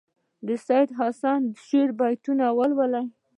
د سیدحسن خان د شعر بیتونه ولولي.